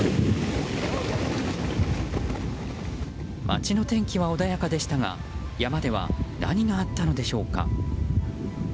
街の天気は穏やかでしたが山では何があったのでしょうか。